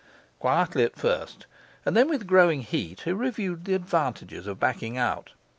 Quietly at first, and then with growing heat, he reviewed the advantages of backing out.